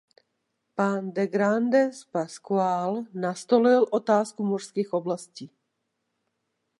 Pan de Grandes Pascual nastolil otázku mořských oblastí.